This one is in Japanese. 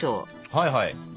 はいはい。